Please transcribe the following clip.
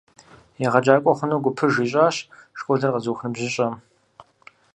ЕгъэджакӀуэ хъуну гупыж ищӀащ школыр къэзыух ныбжьыщӀэм.